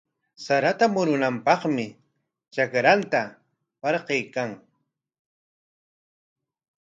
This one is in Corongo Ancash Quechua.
Sarata murunanpaqmi trakranta parquykan.